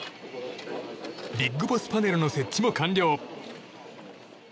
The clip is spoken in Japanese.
ビッグボスパネルの設置も完了。